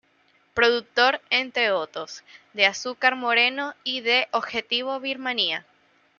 Productor, entre otros, de Azúcar Moreno y de Objetivo Birmania.